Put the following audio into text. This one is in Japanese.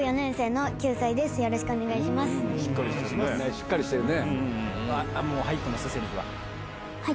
しっかりしてるね。